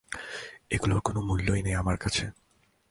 ওগুলোর কোনো মূল্যই নেই আমার কাছে।